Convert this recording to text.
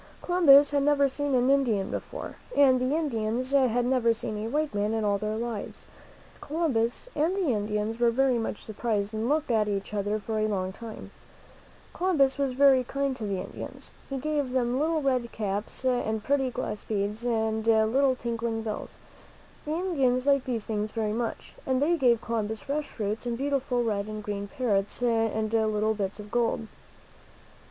Columbus had never seen an Indian before, and the Indians had never seen a white man in all their lives. So both Columbus and the Indians were very much surprised and looked at each other for a long time. Columbus was very kind to the Indians. He gave them little red caps UliRIUflt ■'^ '•!tT/ ^r llUi .'W '>9 THE MAN WHO FOUND AMERICA T V. mil :V^■ 3^^ and pretty glass beads and little tinkling bells. The Indians liked these things very much, and they gave Columbus fresh fruits and beautiful red and green parrots and little bits of gold.